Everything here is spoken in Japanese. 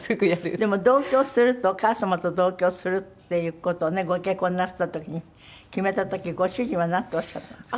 でも同居するとお母様と同居するっていう事をねご結婚なすった時に決めた時ご主人はなんとおっしゃったんですか？